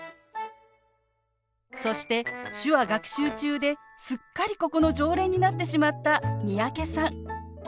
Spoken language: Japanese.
そして手話学習中ですっかりここの常連になってしまった三宅さん